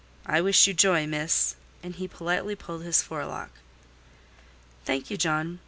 I wish you joy, Miss!" and he politely pulled his forelock. "Thank you, John.